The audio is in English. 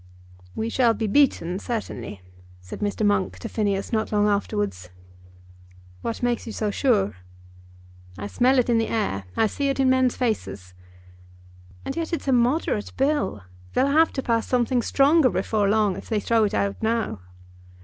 "We shall be beaten, certainly," said Mr. Monk to Phineas, not long afterwards. "What makes you so sure?" "I smell it in the air. I see it in men's faces." "And yet it's a moderate Bill. They'll have to pass something stronger before long if they throw it out now."